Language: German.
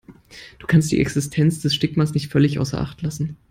Du kannst die Existenz des Stigmas nicht völlig außer Acht lassen.